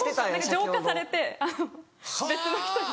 浄化されて別の人に。